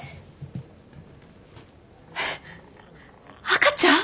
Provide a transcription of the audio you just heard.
赤ちゃん！？